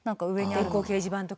電光掲示板とかね。